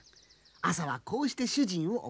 朝はこうして主人を起こす。